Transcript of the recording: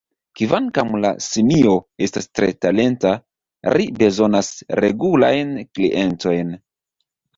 Kvankam la simio estas tre talenta, ri bezonas regulajn klientojn.